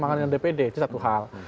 makanya dpd itu satu hal